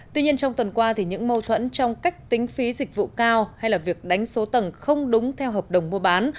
tuy nhiên trong tuần qua thì những mâu thuẫn trong cách tính phí dịch vụ cao hay là việc đánh số tầng không đúng theo hợp đồng mua bán